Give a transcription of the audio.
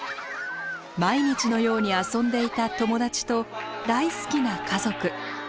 毎日のように遊んでいた友達と大好きな家族。